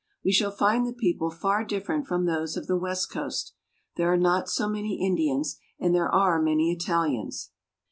We shall find the people far different from those of the west coast. There are not so many Indians, and there are many Italians.